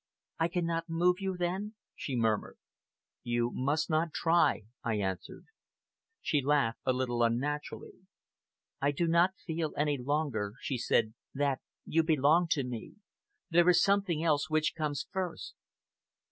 "I cannot move you then," she murmured. "You must not try," I answered. She laughed a little unnaturally. "I do not feel any longer," she said, "that you belong to me. There is something else which comes first."